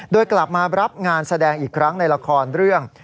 โดยกลับมารับงานแสดงอีกครั้งในละครเรื่อง